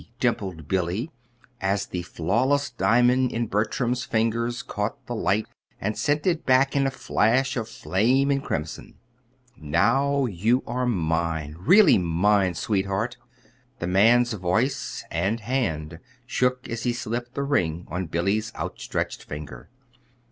dimpled Billy, as the flawless diamond in Bertram's fingers caught the light and sent it back in a flash of flame and crimson. "Now you are mine really mine, sweetheart!" The man's voice and hand shook as he slipped the ring on Billy's outstretched finger.